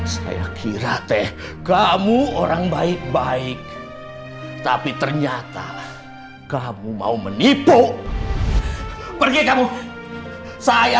saya kira teh kamu orang baik baik tapi ternyata kamu mau menipu pergi kamu saya